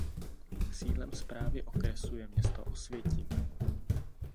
Sídlem správy okresu je město Osvětim.